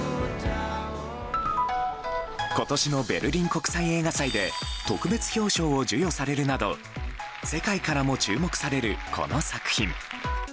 今年のベルリン国際映画祭で特別表彰を授与されるなど世界からも注目されるこの作品。